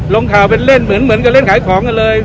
ลงข่าวเป็นเล่นเหมือนกับเล่นขายของกันเลย